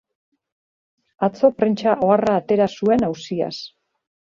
Atzo prentsa-oharra atera zuen auziaz.